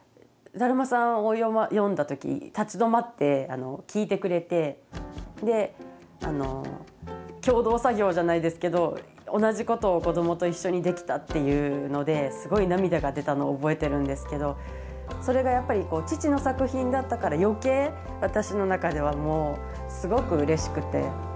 「だるまさん」を読んだ時立ち止まって聞いてくれてで共同作業じゃないですけど同じことを子どもと一緒にできたっていうのですごい涙が出たのを覚えてるんですけどそれがやっぱりこう父の作品だったから余計私の中ではもうすごくうれしくて。